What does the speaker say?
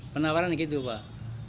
penawaran begitu pak